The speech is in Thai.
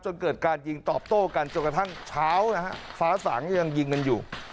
จนเกิดการยิงตอบโต้กันจนกระทั่งเช้านะฮะฟ้าสางก็ยังยิงกันอยู่